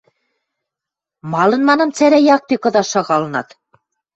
— Малын, манам, цӓрӓ якте кыдаш шагалынат?